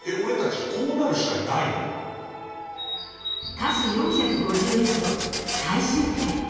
「華氏４５１度」最終回。